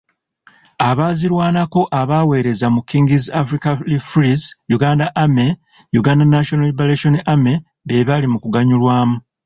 Abaazirwanako abaaweereza mu Kings Africa Rifles, Uganda Army, Uganda National Liberation Army, be baali okuganyulwamu.